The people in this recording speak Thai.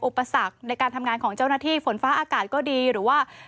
อุปสรรคในการทำงานของเจ้าหน้าที่ฝนฟ้าอากาศก็ดีหรือว่า